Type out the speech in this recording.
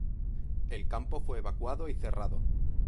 El campo fue evacuado y cerrado.